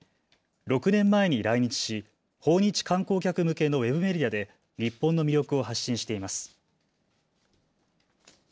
６年前に来日し訪日観光客向けのウェブメディアで日本の魅力を発信しています。